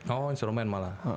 oh instrumen malah